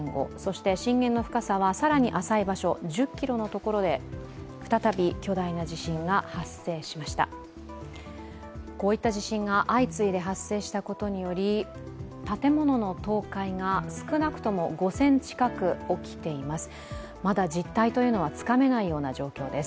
こういった地震が相次いで発生したことにより建物の倒壊が少なくとも５０００近く起きています。